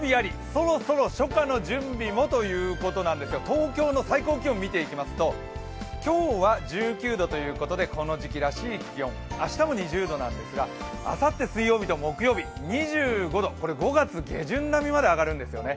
そろそろ初夏の準備もということなんですが東京の最高気温を見ていきますと今日は１９度ということでこの時期らしい気温、明日も２０度なんですがあさって水曜日と木曜日、２５度、これ、５月下旬並みまで上がるんですよね。